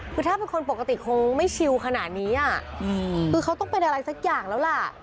คือถ้าเป็นคนปกติคงไม่ชิลขนาดนี้อ่ะคือเขาต้องเป็นอะไรสักอย่างแล้วล่ะ